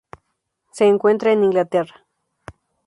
Se encuentra en Inglaterra.